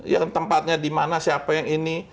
yang tempatnya di mana siapa yang ini